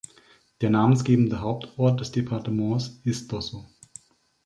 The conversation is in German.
Der namensgebende Hauptort des Departements ist Dosso.